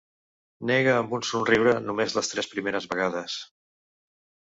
Nega amb un somriure només les tres primeres vegades.